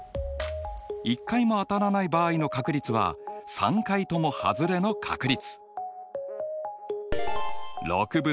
１回も当たらない場合の確率は３回ともはずれの確率。